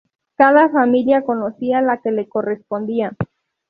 Cada familia conocía la que le correspondía.